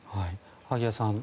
萩谷さん